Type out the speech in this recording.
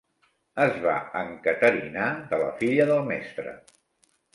Es va encaterinar de la filla del mestre.